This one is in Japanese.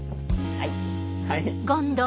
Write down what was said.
はい。